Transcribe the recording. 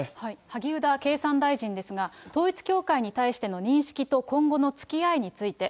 萩生田経産大臣ですが、統一教会に対しての認識と今後のつきあいについて。